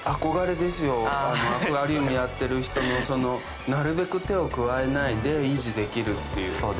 アクアリウムやってる人のなるべく手を加えないで維持できるっていう。